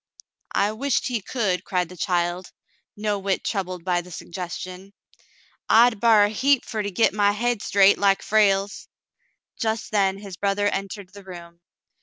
"I wisht he could," cried the child, no whit troubled by the suggestion. " I'd bar a heap fer to git my hade straight like Frale's." Just then his brother entered the room.